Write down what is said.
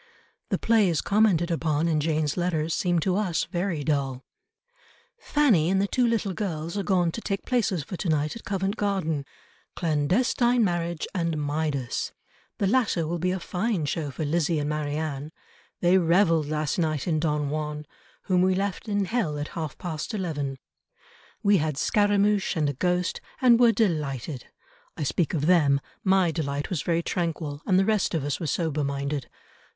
The plays commented upon in Jane's letters seem to us very dull, "Fanny and the two little girls are gone to take places for to night at Covent Garden; Clandestine Marriage and Midas. The latter will be a fine show for L[izzie] and M[arianne]. They revelled last night in Don Juan whom we left in hell at half past eleven. We had Scaramouch and a ghost, and were delighted. I speak of them; my delight was very tranquil, and the rest of us were sober minded.